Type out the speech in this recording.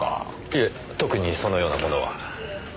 いえ特にそのようなものは。